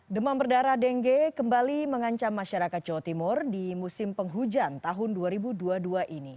demam berdarah dengue kembali mengancam masyarakat jawa timur di musim penghujan tahun dua ribu dua puluh dua ini